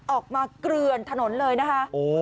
เกลือนถนนเลยนะคะ